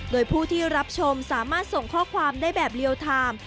โดยผู้ที่รับชมสามารถส่งข้อความได้แบบเรียลไทม์